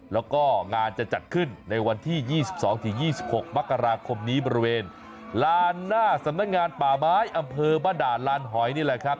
แล้วก็งานจะจัดขึ้นในวันที่๒๒๒๖มกราคมนี้บริเวณลานหน้าสำนักงานป่าไม้อำเภอบ้านด่านลานหอยนี่แหละครับ